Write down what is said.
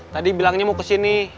tadi bilangnya mau kesini